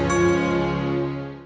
aku yang pilih